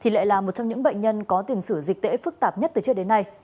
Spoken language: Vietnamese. lại là một trong những bệnh nhân có tiền sử dịch tễ phức tạp nhất từ trước đến nay